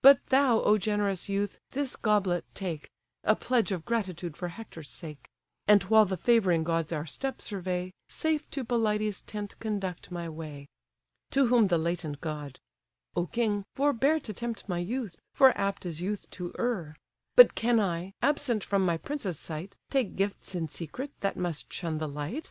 But thou, O generous youth! this goblet take, A pledge of gratitude for Hector's sake; And while the favouring gods our steps survey, Safe to Pelides' tent conduct my way." To whom the latent god: "O king, forbear To tempt my youth, for apt is youth to err. But can I, absent from my prince's sight, Take gifts in secret, that must shun the light?